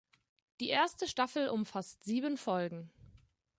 Die erste Staffel umfasst sieben Folgen.